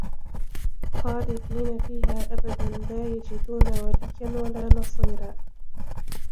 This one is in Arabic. خالِدينَ فيها أَبَدًا لا يَجِدونَ وَلِيًّا وَلا نَصيرًا